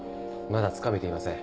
まだつかめていません。